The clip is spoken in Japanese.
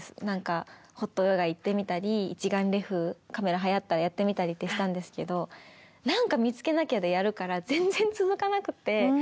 何かホットヨガ行ってみたり一眼レフカメラはやったらやってみたりってしたんですけど何か見つけなきゃでやるから全然続かなくて。